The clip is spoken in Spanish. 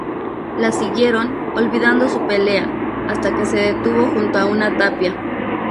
La siguieron, olvidando su pelea, hasta que se detuvo junto a una tapia.